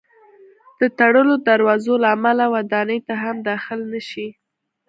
د تړلو دروازو له امله ودانۍ ته هم داخل نه شي.